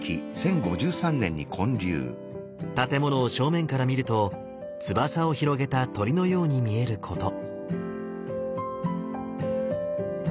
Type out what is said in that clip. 建物を正面から見ると翼を広げた鳥のように見えること。